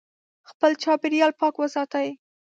خپل چاپیریال پاک وساتئ.